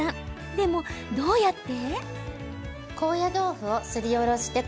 でも、どうやって？